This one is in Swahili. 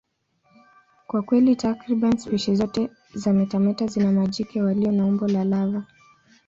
Kwa kweli, takriban spishi zote za vimetameta zina majike walio na umbo la lava.